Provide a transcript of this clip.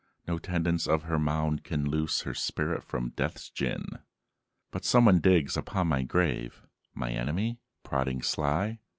No tendance of her mound can loose Her spirit from Death's gin.'" "But someone digs upon my grave? My enemy? prodding sly?"